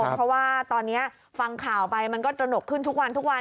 เพราะว่าตอนนี้ฟังข่าวไปมันก็ตระหนกขึ้นทุกวันทุกวัน